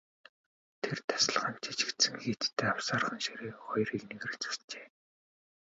Тэр тасалгаанд жигдхэн хийцтэй авсаархан ширээ хоёр эгнээгээр засжээ.